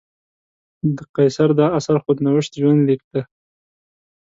د قیصر دا اثر خود نوشت ژوندلیک دی.